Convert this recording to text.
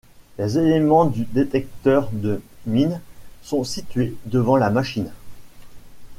Les éléments du détecteur de mines sont situés devant la machine.